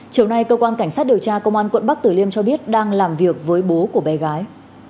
chiều nay cơ quan cảnh sát điều tra công an quận bắc tử liêm cho biết đang làm việc với bố của bé gái